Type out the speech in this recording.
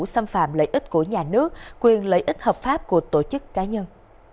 xâm phạm lợi ích của nhà nước quyền lợi ích hợp pháp của tổ chức cá nhân